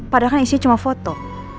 padahal kan isinya cuma foto